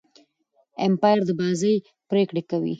امپاير د بازۍ پرېکړي کوي.